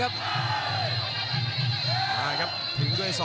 กำปั้นขวาสายวัดระยะไปเรื่อย